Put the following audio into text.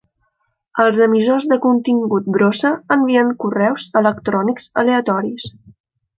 Els emissors de contingut brossa envien correus electrònics aleatoris.